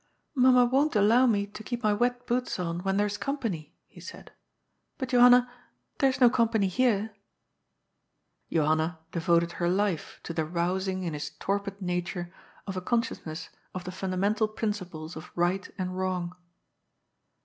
^^ Mamma won't allow me to «LIKB A STBSAM UNDER A WiLLOW TREE." 89 keep my wet boots on when there's company," he said, ^ but, Johanna, there's no company here." Johanna deyoled her life to the rousing in his torpid nature of a consciousness of the fundamental principles of right and wrong.